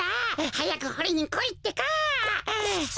はやくほりにこいってか！